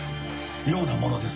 妙なものです。